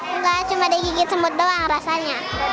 enggak cuma digigit semut doang rasanya